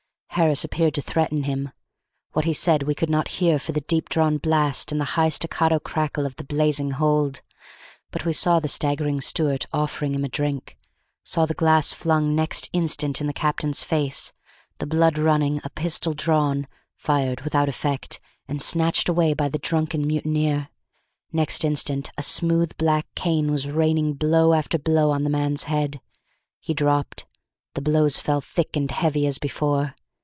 Harris appeared to threaten him. What he said we could not hear for the deep drawn blast and the high staccato crackle of the blazing hold. But we saw the staggering steward offering him a drink; saw the glass flung next instant in the captain's face, the blood running, a pistol drawn, fired without effect, and snatched away by the drunken mutineer. Next instant a smooth black cane was raining blow after blow on the man's head. He dropped; the blows fell thick and heavy as before.